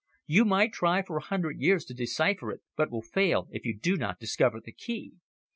You might try for a hundred years to decipher it, but will fail, if you do not discover the key.